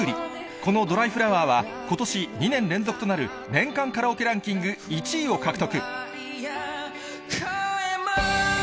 このドライフラワーは、ことし、２年連続となる年間カラオケランキング１位を獲得。